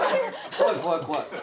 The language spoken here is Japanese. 怖い怖い怖い！